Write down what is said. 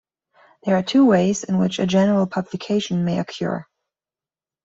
There are two ways in which a general publication may occur.